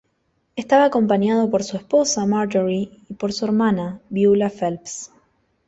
Estaba acompañado por su esposa, Marjorie, y por su hermana, Beulah Phelps.